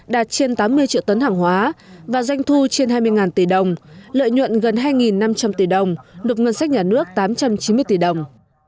đạt trên tám mươi triệu tấn hàng hóa và doanh thu trên hai mươi tỷ đồng lợi nhuận gần hai năm trăm linh tỷ đồng nộp ngân sách nhà nước tám trăm chín mươi tỷ đồng